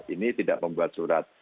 ini tidak membuat surat